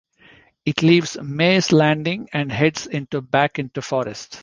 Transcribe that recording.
It leaves Mays Landing and heads into back into forests.